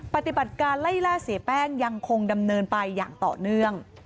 ปฏิบัติการไล่ล่าเสียแป้งยังคงดำเนินไปอย่างต่อเนื่อง